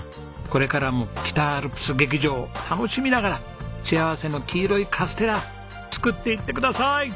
これからも北アルプス劇場を楽しみながら幸せの黄色いカステラ作っていってください。